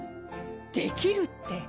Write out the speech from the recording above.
できるって！